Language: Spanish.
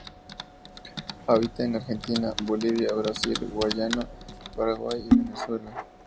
Habita en Argentina, Bolivia, Brasil, Guayana, Paraguay y Venezuela.